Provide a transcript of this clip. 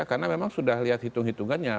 karena memang sudah lihat hitung hitungannya